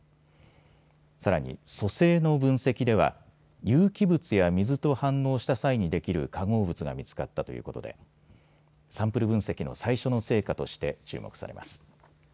さらに組成の分析では有機物や水と反応した際にできる化合物が見つかったということでサンプル分析の最初の成果として注目されます。